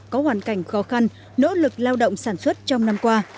có hoàn cảnh khó khăn nỗ lực lao động sản xuất trong năm qua